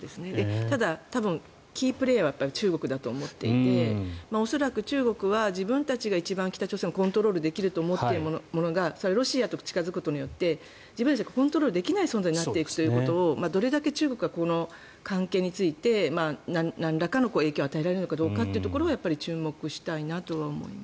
ただ多分キープレーヤーは中国だと思っていて恐らく、中国は自分たちが一番北朝鮮をコントロールできると思っているものがそれはロシアと近付くことによって自分たちがコントロールできない存在になっていくということをどれだけ中国はこの関係についてなんらかの影響を与えられるかどうかというのをやっぱり注目したいなとは思います。